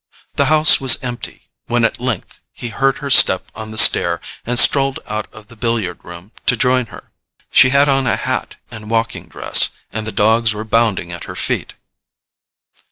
The house was empty when at length he heard her step on the stair and strolled out of the billiard room to join her. She had on a hat and walking dress, and the dogs were bounding at her feet.